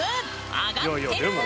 上がってる！